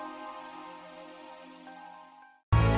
terima kasih sudah buka